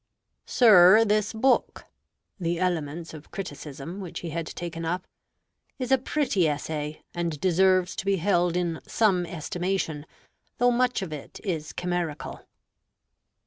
"Sir, this book" ('The Elements of Criticism,' which he had taken up) "is a pretty essay, and deserves to be held in some estimation, though much of it is chimerical."